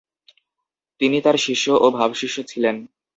তিনি তার শিষ্য ও ভাবশিষ্য ছিলেন।